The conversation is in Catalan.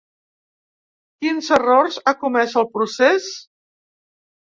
Quins errors ha comès el procés?